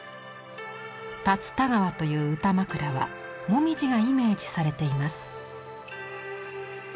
龍田川という歌枕は紅葉がイメージされています。